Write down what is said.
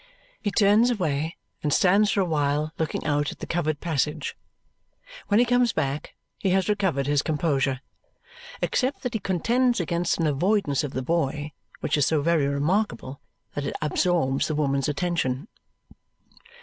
He turns away and stands for a while looking out at the covered passage. When he comes back, he has recovered his composure, except that he contends against an avoidance of the boy, which is so very remarkable that it absorbs the woman's attention.